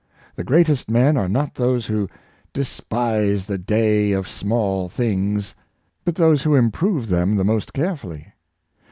The greatest men are not those who " despise the day of small things," but those who improve them the most carefully.